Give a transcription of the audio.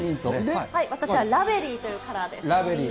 私はラベリーというカラーでラベリー。